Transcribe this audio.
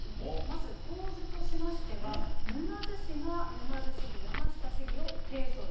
まず構図としましては、沼津市が沼津市議、山下市議を提訴へ。